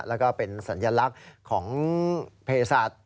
แล้วก็เป็นสัญลักษณ์ของเพศัตริย์